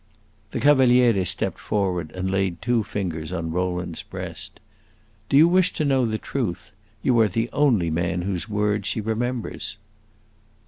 The Cavaliere stepped forward and laid two fingers on Rowland's breast. "Do you wish to know the truth? You are the only man whose words she remembers."